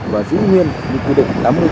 và giữ nguyên như quy định tám mươi km